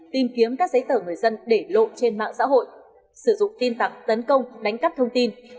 tìm kiếm các giấy tờ người dân để lộ trên mạng xã hội sử dụng tin tặc tấn công đánh cắp thông tin